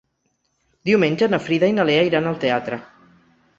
Diumenge na Frida i na Lea iran al teatre.